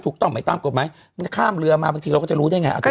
ดูตามกฎไม้ถ้าข้ามเรือมาแบบนี้เราก็จะรู้ได้ไง